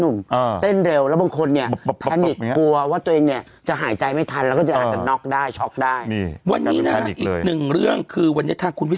คือกัญชาตอนนี้เป็นเสรี